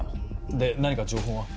で何か情報は？